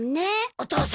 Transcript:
お父さん